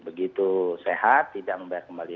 begitu sehat tidak membayar kembali